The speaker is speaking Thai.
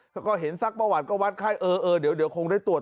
แล้วก็เห็นซักประวัติก็วัดไข้เออเดี๋ยวคงได้ตรวจ